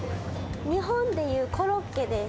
日本でいうコロッケです。